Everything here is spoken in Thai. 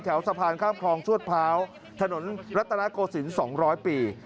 แถวสะพานข้ามครองชวดพร้าวถนนรัตนากสิน๒๐๐ปี